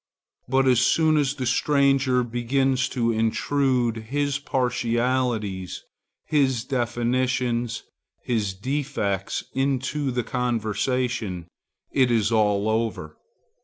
But as soon as the stranger begins to intrude his partialities, his definitions, his defects, into the conversation, it is all over.